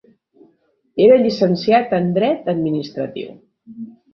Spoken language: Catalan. Era llicenciat en Dret administratiu.